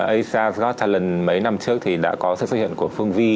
asian ghost talent mấy năm trước thì đã có sự xuất hiện của phương vi